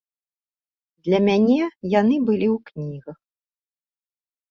Для мяне яны былі ў кнігах.